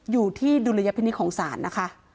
อยู่ที่ดุลยพินิของศาลนะคะ